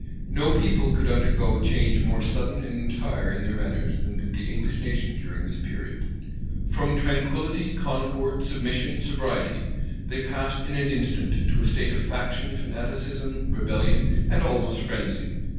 No people could undergo a change more sudden and entire in their manners, than did the English nation during this period. From tranquillity, concord, submission, sobriety, they passed in an instant to a state of faction, fanaticism, rebellion, and almost frenzy.